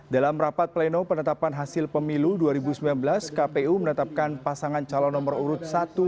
dalam rapat pleno penetapan hasil pemilu dua ribu sembilan belas kpu menetapkan pasangan calon nomor urut satu